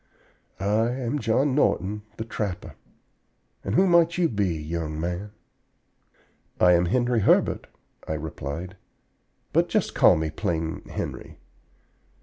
I am John Norton, the trapper. And who might you be, young man?" "I am Henry Herbert," I replied; "but just call me plain Henry."